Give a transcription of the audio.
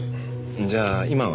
じゃあ今は？